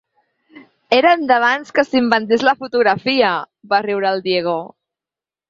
Eren d'abans que s'inventés la fotografia! —va riure el Diego.